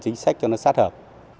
chính sách cho nó sát hợp